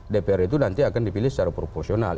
dpr itu nanti akan dipilih secara proporsional